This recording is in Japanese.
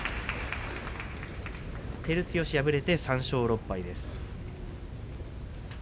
照強、敗れて３勝６敗です。